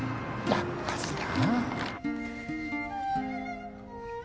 やっぱりな。